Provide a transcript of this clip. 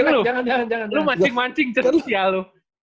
lu mancing mancing cek si alu